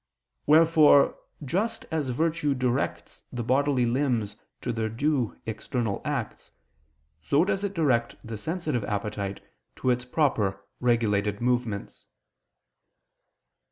Wherefore just as virtue directs the bodily limbs to their due external acts, so does it direct the sensitive appetite to its proper regulated movements.